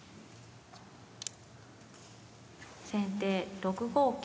先手６五桂。